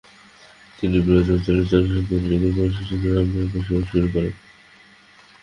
তিনি ব্রজ অঞ্চলের চন্দ্রসরোবরের নিকট পারসৌলী গ্রামে বসবাস শুরু করেন।